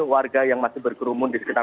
warga yang masih berkerumun di sekitar